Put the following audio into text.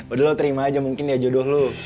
udah lo terima aja mungkin ya jodoh lo